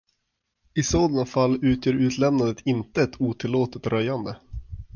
I sådana fall utgör utlämnandet inte ett otillåtet röjande.